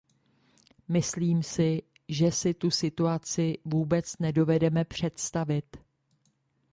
Myslím si, že si tu situaci vůbec nedovedeme představit.